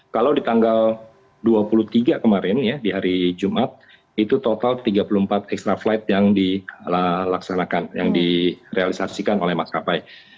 kalau di tanggal dua puluh tiga kemarin ya di hari jumat itu total tiga puluh empat extra flight yang dilaksanakan yang direalisasikan oleh maskapai